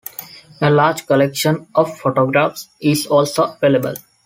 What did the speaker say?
A large collection of photographs is also available.